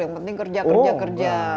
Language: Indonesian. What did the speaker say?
yang penting kerja kerja kerja